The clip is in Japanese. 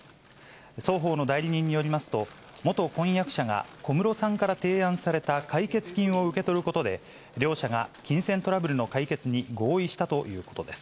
双方の代理人によりますと、元婚約者が小室さんから提案された解決金を受け取ることで、両者が金銭トラブルの解決に合意したということです。